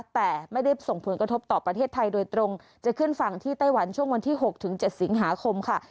แต่ไม่ได้ส่งผลกระทบต่อประเทศไทยโดยตรงจะขึ้นฝั่งที่ไต้หวันช่วงวันที่๖๗สิงหาคมค่ะ